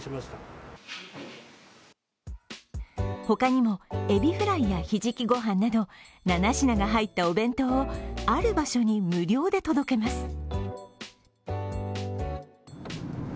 他にもエビフライやひじき御飯など７品が入ったお弁当を、ある場所に無料で届けます。